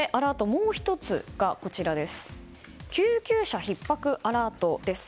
もう１つが救急車ひっ迫アラートです。